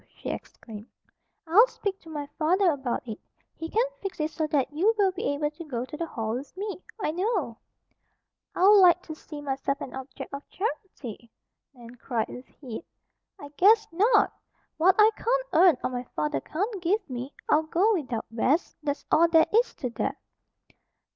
she exclaimed. "I'll speak to my father about it. He can fix it so that you will be able to go to the Hall with me, I know." "I'd like to see myself an object of charity!" Nan cried, with heat. "I, guess, not! What I can't earn, or my father can't give me, I'll go without, Bess. That's all there is to that!"